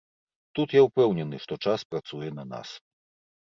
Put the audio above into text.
Тут я ўпэўнены, што час працуе на нас.